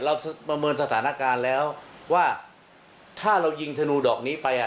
เราประเมินสถานการณ์แล้วว่าถ้าเรายิงธนูดอกนี้ไปอ่ะ